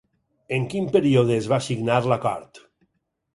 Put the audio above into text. En quin període es va signar l'acord?